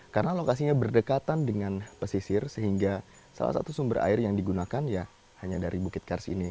karena lokasinya berdekatan dengan pesisir sehingga salah satu sumber air yang digunakan hanya dari bukit kars ini